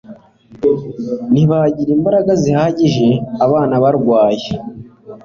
ntibagira imbaraga zihagije. abana barwaye